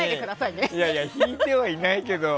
いやいや、引いてはいないけど。